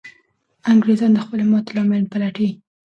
انګریزان د خپلې ماتې لامل پلټي.